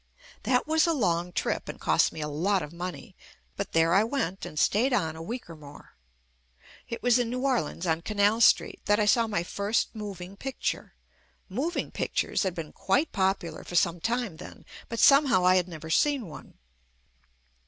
That was a long trip and cost me a lot of money, but there I went and stayed on a week or more. It was in New Orleans on Ca nal Street that I saw my first moving picture. Moving pictures had been quite popular for some time then, but somehow I had never seen one.